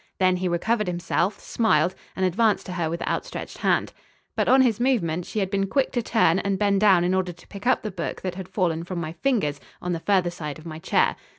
Then he recovered himself, smiled, and advanced to her with outstretched hand, But, on his movement, she had been quick to turn and bend down in order to pick up the book that had fallen from my fingers on the further side of my chair.